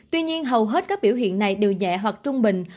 tuy nhiên hầu hết các biểu hiện này đều nhẹ hoặc trung bình